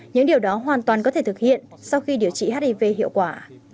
những điều đó hoàn toàn có thể thực hiện sau khi điều trị hiv hiệu quả